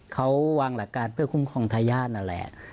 เขาวางหลักการเพื่อคุ้มครองทายาทนั่นแหละ